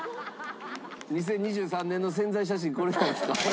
２０２３年の宣材写真これなんですか？